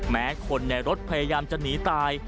แม้คนในรถพยายามจะหนีตาย